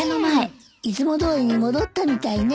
いつもどおりに戻ったみたいね。